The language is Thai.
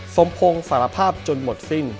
สมพงศ์สารภาพจนหมดสิ้น